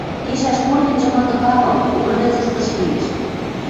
кешӓш корнемжӹ мытык агыл, коклы вӹц уштыш лиэш